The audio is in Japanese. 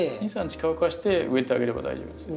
２３日乾かして植えてあげれば大丈夫です。